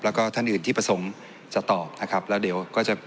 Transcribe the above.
แล้วก็ท่านอื่นที่ประสงค์จะตอบนะครับแล้วเดี๋ยวก็จะ